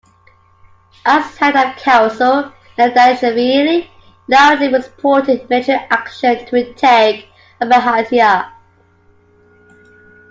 As head of the Council, Nadareishvili loudly supported military action to retake Abkhazia.